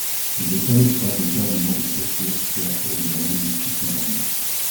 Il était le frère de Ferdinand de Saussure, créateur de la linguistique moderne.